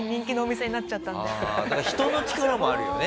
人の力もあるよね